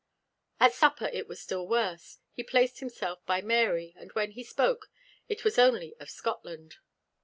At supper it was still worse. He placed himself by Mary, and when he spoke, it was only of Scotland.